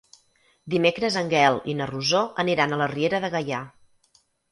Dimecres en Gaël i na Rosó aniran a la Riera de Gaià.